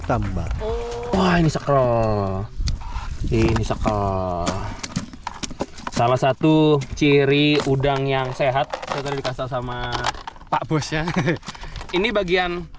tambang wah ini sakral ini sakral salah satu ciri udang yang sehat terdekat sama pak bosnya ini